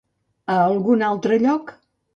A algun altre lloc?